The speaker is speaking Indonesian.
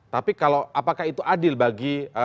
tapi kalau apakah itu adil bagi